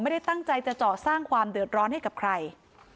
ไม่ได้ตั้งใจจะเจาะสร้างความเดือดร้อนให้กับใคร